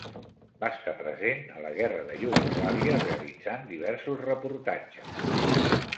Va estar present a la guerra de Iugoslàvia, realitzant diversos reportatges.